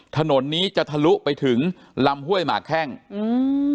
ถนนนี้จะทะลุไปถึงลำห้วยหมากแข้งอืม